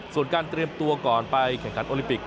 ส่วนการเตรียมตัวก่อนไปแข่งขันโอลิปิก